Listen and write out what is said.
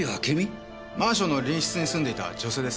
マンションの隣室に住んでいた女性です。